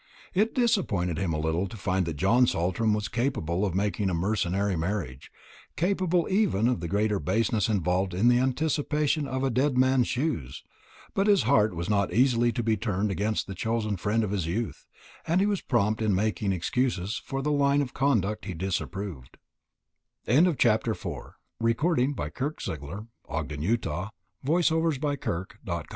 It disappointed him a little to find that John Saltram was capable of making a mercenary marriage, capable even of the greater baseness involved in the anticipation of a dead man's shoes; but his heart was not easily to be turned against the chosen friend of his youth, and he was prompt in making excuses for the line of conduct he disapproved. CHAPTER V. HALCYON DAYS. It was still quite early in September when Gilbert Fenton went back to Lidfor